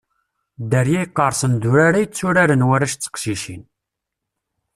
Dderya Iqersen d urar ay tturaren warrac d teqcicin.